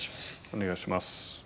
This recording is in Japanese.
お願いします。